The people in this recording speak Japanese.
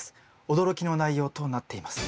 驚きの内容となっています。